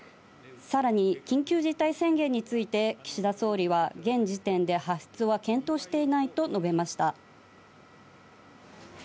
さらに、緊急事態宣言について、岸田総理は、現時点で発出は検討していないと述べました。